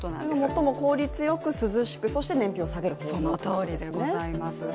最も効率よく涼しく、そして燃費を下げるということですね。